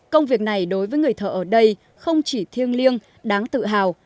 công việc này đối với người thợ ở đây không chỉ thiêng liêng đáng tự hào